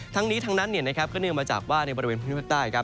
ทั้งนี้ทั้งนั้นก็เนื่องมาจากว่าในบริเวณพื้นที่ภาคใต้ครับ